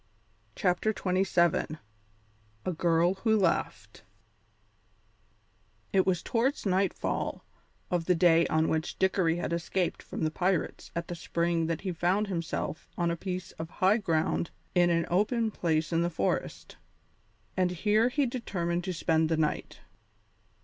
CHAPTER XXVII A GIRL WHO LAUGHED It was towards nightfall of the day on which Dickory had escaped from the pirates at the spring that he found himself on a piece of high ground in an open place in the forest, and here he determined to spend the night.